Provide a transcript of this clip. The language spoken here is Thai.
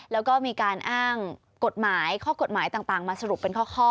แล้วก็มีการอ้างกฎหมายข้อกฎหมายต่างมาสรุปเป็นข้อ